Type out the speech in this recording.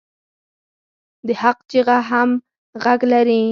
د حق چیغه هم غږ لري